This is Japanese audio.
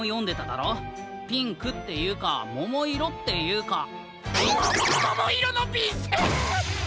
ピンクっていうかももいろっていうか。もももいろのびんせん！？